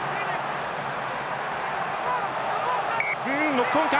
ノックオンか。